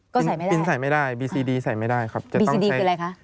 ก็ใส่ไม่ได้ฟินใส่ไม่ได้บีซีดีใส่ไม่ได้ครับบีซีดีคืออะไรคะ